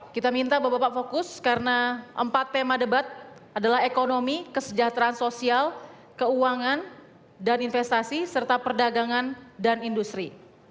kita minta bapak bapak fokus karena empat tema debat adalah ekonomi kesejahteraan sosial keuangan dan investasi serta perdagangan dan industri